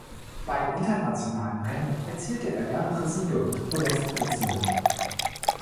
Bei internationalen Rennen erzielte er mehrere Siege und Podestplatzierungen.